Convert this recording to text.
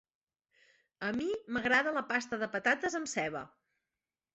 A mi m'agrada la pasta de patates amb ceba.